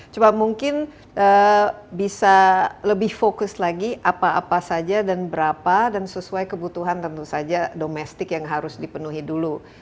coba mungkin bisa lebih fokus lagi apa apa saja dan berapa dan sesuai kebutuhan tentu saja domestik yang harus dipenuhi dulu